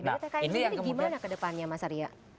dari tkn ini gimana ke depannya mas arya